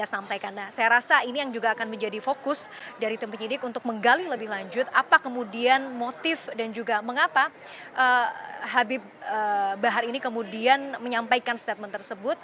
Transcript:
saya rasa ini yang juga akan menjadi fokus dari tim penyidik untuk menggali lebih lanjut apa kemudian motif dan juga mengapa habib bahar ini kemudian menyampaikan statement tersebut